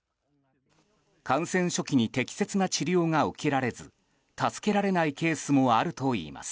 感染初期に適切な治療が受けられず助けられないケースもあるといいます。